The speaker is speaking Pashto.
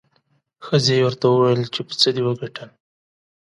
ښځې یې ورته وویل چې په څه دې وګټل؟